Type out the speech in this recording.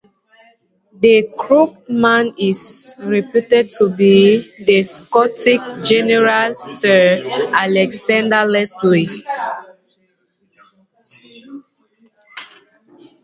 The crooked man is reputed to be the Scottish General Sir Alexander Leslie.